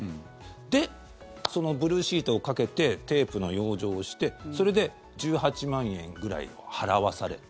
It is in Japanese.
で、そのブルーシートをかけてテープの養生をしてそれで１８万円くらい払わされた。